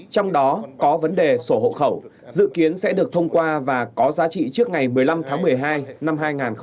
trong đó có vấn đề sổ hộ khẩu dự kiến sẽ được thông qua và có giá trị trước ngày một mươi năm tháng một mươi hai năm hai nghìn hai mươi